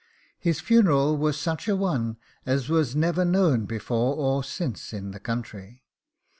His funeral was such a one as was never known before or since in the county!